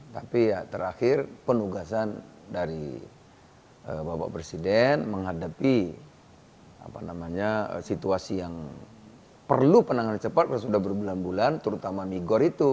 tapi ya terakhir penugasan dari bapak presiden menghadapi situasi yang perlu penanganan cepat sudah berbulan bulan terutama migor itu